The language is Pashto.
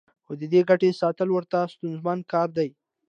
خو د دې ګټې ساتل ورته ستونزمن کار دی